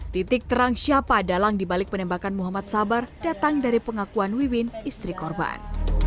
titik terang siapa dalang dibalik penembakan muhammad sabar datang dari pengakuan wiwin istri korban